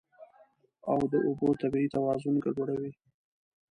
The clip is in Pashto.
او د اوبو طبیعي توازن ګډوډوي.